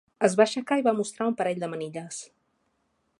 Es va aixecar i va mostrar un parell de manilles.